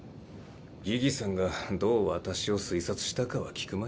ギギさんがどう私を推察したかは聞くまい。